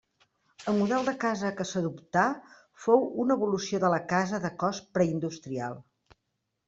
El model de casa que s'adoptà fou una evolució de la casa de cos preindustrial.